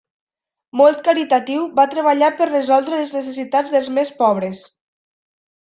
Molt caritatiu, va treballar per resoldre les necessitats dels més pobres.